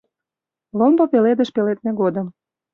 Ломбо пеледыш пеледме годым